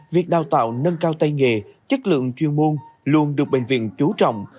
việc đào tạo nâng cao tay nghề chất lượng chuyên môn luôn được bệnh viện chú trọng